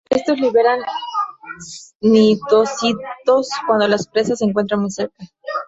Estos liberan cnidocitos cuando las presas se encuentran muy cerca.